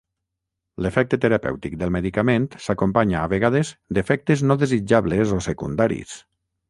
L'efecte terapèutic del medicament s'acompanya, a vegades, d'efectes no desitjables o secundaris.